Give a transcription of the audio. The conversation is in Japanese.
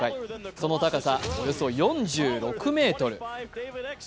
その高さおよそ４６ｍ。